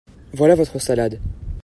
Voilà votre salade.